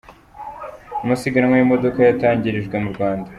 Amasiganwa y’imodoka yatangirijwe mu Rwanda